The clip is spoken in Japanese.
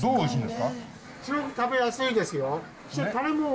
すごく食べやすいですよ。